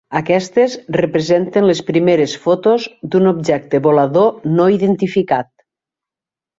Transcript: Aquestes representen les primeres fotos d'un objecte volador no identificat.